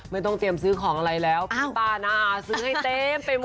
ไม่ต้องเตรียมซื้อของอะไรแล้วพี่ป้าน้าซื้อให้เต็มไปหมด